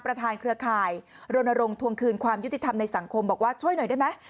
เครือข่ายรณรงค์ทวงคืนความยุติธรรมในสังคมบอกว่าช่วยหน่อยได้ไหม